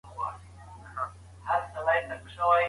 تاسو باید خپل پیغام په پښتو ژبه ولیکئ.